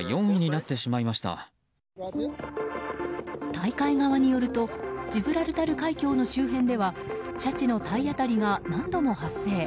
大会側によるとジブラルタル海峡の周辺ではシャチの体当たりが何度も発生。